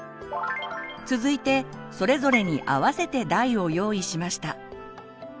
続いてそれぞれに合わせて台を用意しました。